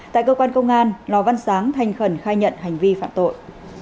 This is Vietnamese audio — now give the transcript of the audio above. tại cơ quan công an lò văn sáng thanh khẩn khai nhận hành vi phạm tội